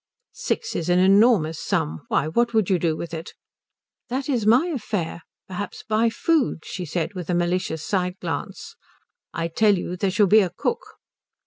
"Six is an enormous sum. Why, what would you do with it?" "That is my affair. Perhaps buy food," she said with a malicious side glance. "I tell you there shall be a cook."